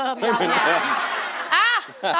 ไม่เหมือนเดิม